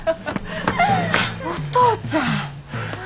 お父ちゃん。